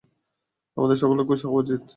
আমাদের সকলের খুশি হওয়া উচিত।